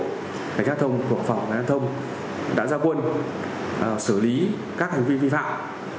đồng bộ cảnh sát thông phòng cảnh sát thông đã giao quân xử lý các hành vi vi phạm